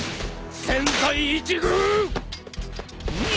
千載一遇！